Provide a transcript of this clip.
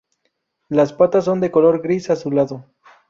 Las patas son de color gris azulado.